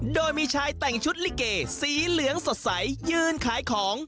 โดยมีชายแต่งชุดลิเกสีเหลืองสดใสยืนขายของ